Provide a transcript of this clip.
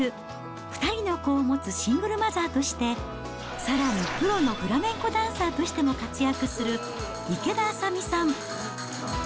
２人の子を持つシングルマザーとして、さらにプロのフラメンコダンサーとしても活躍する池田麻美さん。